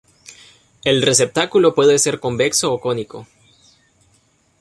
El receptáculo puede ser convexo o cónico.